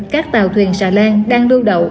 các tàu thuyền xà lan đang lưu đậu